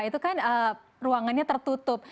itu kan ruangannya tertutup